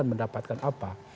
dan mendapatkan apa